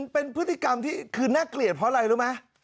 เป็นพฤติกรรมที่คือน่าเกลียดเพราะอะไรรู้ไหม